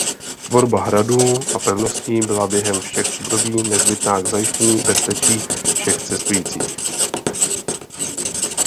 Tvorba hradů a pevností byla během všech období nezbytná k zajištění bezpečí všech cestujících.